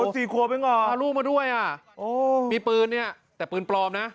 สี่ขวบเองเหรอเอาลูกมาด้วยอ่ะโอ้มีปืนเนี่ยแต่ปืนปลอมนะ